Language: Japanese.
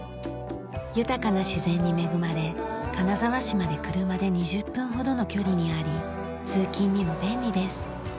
豊かな自然に恵まれ金沢市まで車で２０分ほどの距離にあり通勤にも便利です。